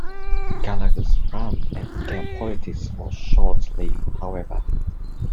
Gallagher's run at GamePolitics was short-lived, however.